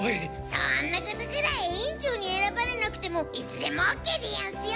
そんなことくらい委員長に選ばれなくてもいつでもオッケーでヤンスよ。